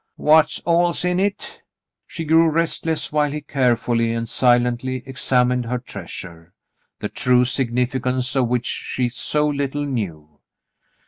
"What all's in hit?" She grew restless while he care fully and silently examined her treasure, the true signifi cance of which she so little knew.